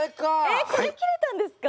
えっこれ切れたんですか？